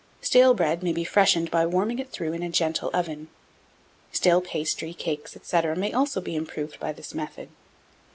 Stale bread may be freshened by warming it through in a gentle oven. Stale pastry, cakes, &c., may also be improved by this method.